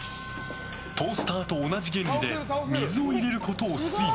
トースターと同じ原理で水を入れることを推理。